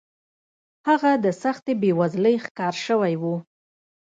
هغه د سختې بېوزلۍ ښکار شوی و